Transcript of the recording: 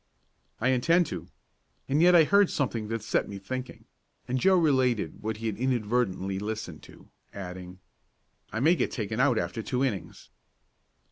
"I intend to. And yet I heard something that set me thinking," and Joe related what he had inadvertently listened to, adding: "I may be taken out after two innings."